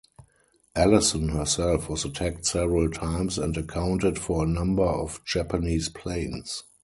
"Ellyson" herself was attacked several times and accounted for a number of Japanese planes.